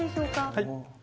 はい。